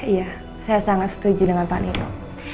iya saya sangat setuju dengan pak niko